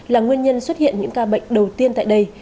là nguyên nhân xuất hiện những ca bệnh đầu tiên tại đây